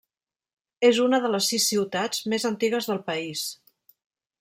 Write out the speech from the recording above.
És una de les sis ciutats més antigues del país.